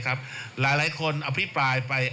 หลายคนอภิปรายไป